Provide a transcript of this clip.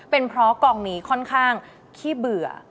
เป็นเพราะกองนี้ค่อนข้างขี้เบื่อ